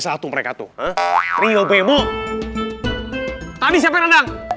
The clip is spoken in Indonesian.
untuk bolanya tidak kena ustadz musa ya